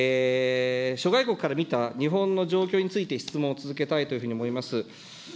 諸外国から見た日本の状況について、質問を続けたいというふうに思います。